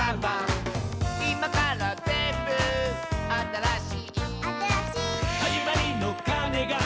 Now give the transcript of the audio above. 「いまからぜんぶあたらしい」「あたらしい」「はじまりのかねが」